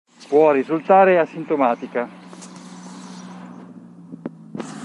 Può risultare asintomatica.